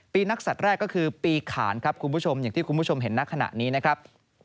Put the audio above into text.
ปีนักศัตริย์แรกก็คือปีขานครับคุณผู้ชมอย่างที่คุณผู้ชมเห็นณขณะนี้นะครับ